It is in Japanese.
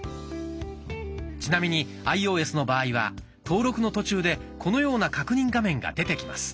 ちなみにアイオーエスの場合は登録の途中でこのような確認画面が出てきます。